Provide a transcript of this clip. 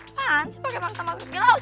apaan sih pake maksa maksa segalaus